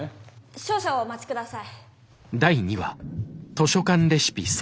少々お待ち下さい。